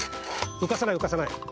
うかさないうかさない。